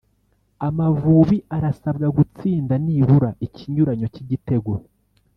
Amavubi arasabwa gutsinda nibura ikinyuranyo cy’igitego